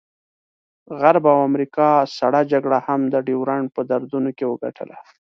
غرب او امریکا سړه جګړه هم د ډیورنډ په دردونو کې وګټله.